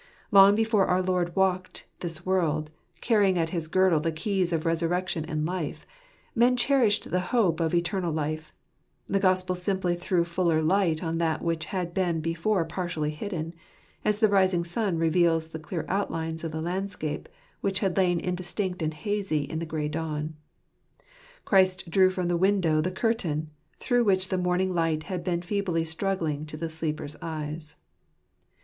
Long before our Lord walked this world, carrying at his girdle the keys of Resurrection and Life, men cherished the hope of eternal life : the Gospel simply threw fuller light on that which had been before partially hidden, as the rising sun reveals the clear outlines of the landscape which had lain in distinct and hazy in the grey dawn. Christ drew from the window the curtain, through which the morning light had been feebly struggling to the sleeper's eyes.